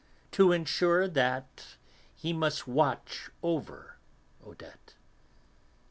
To ensure that, he must watch over Odette.